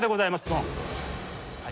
ドン。